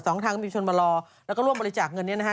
๒ข้างทางมีประชาชนมารอแล้วก็ร่วมบริจาคเงินนี้นะคะ